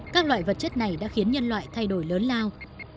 các loại vật chất này đã khiến nhân loại thay đổi lớn lao